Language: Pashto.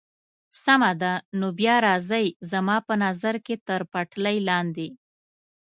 سمه ده، نو بیا راځئ، زما په نظر که تر پټلۍ لاندې.